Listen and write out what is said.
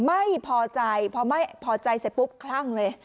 ไม่พอใจพอไม่พอใจเสร็จปุ๊บคลั่งเลย